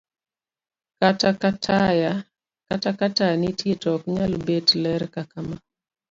Kata ka taya nitie to ok nyal bet ler kaka ma